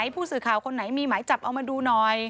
ผู้สื่อข่าวคนไหนมีหมายจับเอามาดูหน่อย